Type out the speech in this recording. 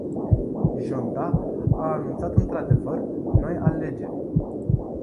Junta a anunțat într-adevăr noi alegeri.